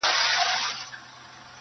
چي په برخه به د هر سړي قدرت سو،